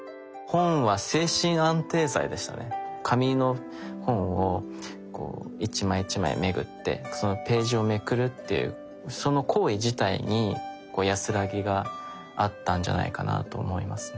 紙の本をこう一枚一枚めぐってそのページをめくるっていうその行為自体に安らぎがあったんじゃないかなと思いますね。